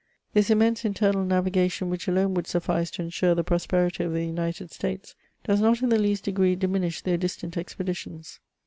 This immense internal navigation, which alone would suffice to ensure the prosperity of the United States, does not in the least degree diminish their distant expeditions.